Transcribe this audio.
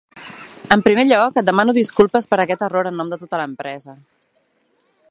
En primer lloc, et demano disculpes per aquest error en nom de tota l'empresa.